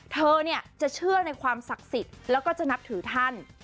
เธอเนี่ยจะเชื่อในความศักดิ์สิทธิ์แล้วก็จะนับถือท่าน